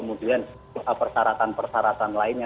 bukan persaratan persaratan lainnya